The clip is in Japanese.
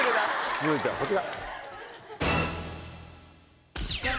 続いてはこちら！